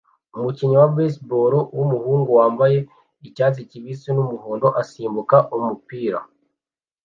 Umukinnyi wa baseball wumuhungu wambaye icyatsi kibisi numuhondo asimbuka umupira